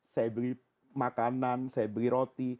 saya beli makanan saya beli roti